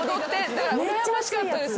だからうらやましかったです。